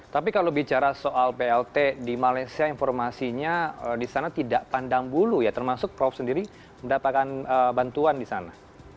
tapi kalau bicara soal plt di malaysia informasinya di sana tidak pandang bulu ya termasuk prof sendiri mendapatkan bantuan di sana